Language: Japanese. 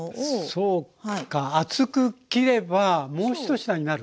そうか厚く切ればもう１品になる。